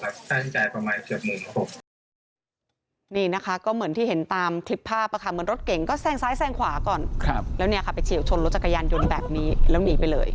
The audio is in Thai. ค่าใช้จ่ายประมาณเกือบหมื่นครับผม